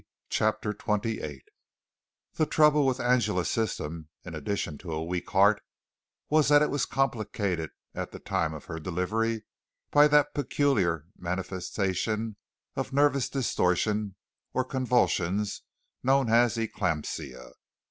CHAPTER XXVIII The trouble with Angela's system, in addition to a weak heart, was that it was complicated at the time of her delivery by that peculiar manifestation of nervous distortion or convulsions known as eclampsia.